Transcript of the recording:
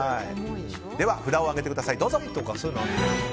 札を上げてください、どうぞ。